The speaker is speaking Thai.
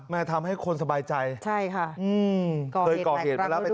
ไม่ได้เชิญตอบใจใช่ไหม